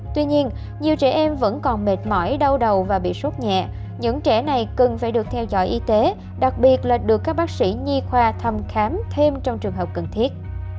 tuy nhiên nhiều trẻ em vẫn còn mệt mỏi đau đầu và bị sốt nhẹ những trẻ này cần phải được theo dõi y tế đặc biệt là được các bác sĩ nhi khoa thăm khám thêm trong trường hợp cần thiết